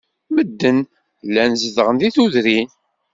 Medden llan zeddɣen deg tudrin.